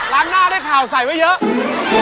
หน้าได้ข่าวใส่ไว้เยอะ